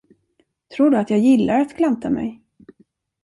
Tror du att jag gillar att klanta mig?